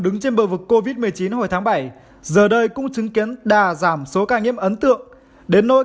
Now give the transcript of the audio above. đứng trên bờ vực covid một mươi chín hồi tháng bảy giờ đây cũng chứng kiến đà giảm số ca nhiễm ấn tượng đến nơi